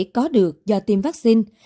có được do tiêm vaccine